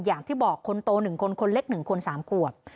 อย่างที่บอกคนโตหนึ่งคนคนเล็กหนึ่งคนสามกว่า